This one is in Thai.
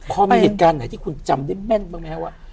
พอมีเหตุการณ์ไหนที่คุณจำได้แม่นบ้างไหมครับว่า